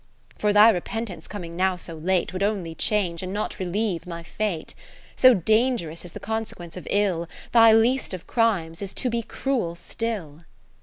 30 For thy repentance coming now so late. Would only change, and not relieve my fate. So dangerous is the consequence of ill. Thy least of crimes is to be cruel still.